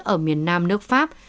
ở miền nam nước pháp